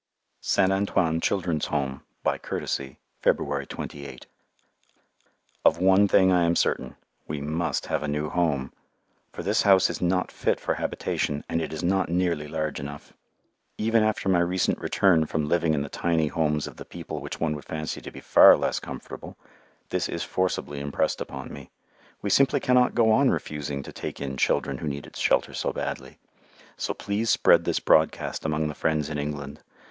St. Antoine Children's Home (by courtesy) February 28 Of one thing I am certain, we must have a new Home, for this house is not fit for habitation, and it is not nearly large enough. Even after my recent return from living in the tiny homes of the people which one would fancy to be far less comfortable, this is forcibly impressed upon me. We simply cannot go on refusing to take in children who need its shelter so badly. So please spread this broadcast among the friends in England.